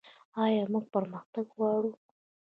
آیا موږ پرمختګ غواړو؟